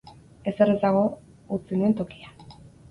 Ezer ez dago utzi nuen tokian.